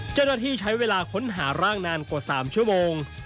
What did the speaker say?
เจ้าหน้าที่ใช้เวลาค้นหาร่างนานกว่า๓ชั่วโมง